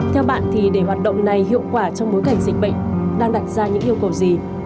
theo bạn thì để hoạt động này hiệu quả trong bối cảnh dịch bệnh đang đặt ra những yêu cầu gì